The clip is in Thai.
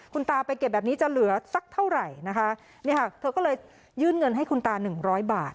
คุณตาไปเก็บแบบนี้จะเหลือสักเท่าไหร่นะคะเนี่ยค่ะเธอก็เลยยื่นเงินให้คุณตาหนึ่งร้อยบาท